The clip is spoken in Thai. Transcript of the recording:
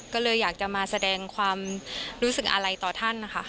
ก็เลยอยากจะมาแสดงความรู้สึกอาลัยต่อท่าน